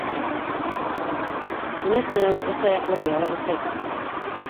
Кинәт кенә ул өс аяҡлы быяла өҫтәл күреп ҡалды.